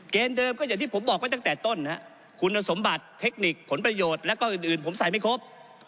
เดิมก็อย่างที่ผมบอกไว้ตั้งแต่ต้นคุณสมบัติเทคนิคผลประโยชน์แล้วก็อื่นผมใส่ไม่ครบ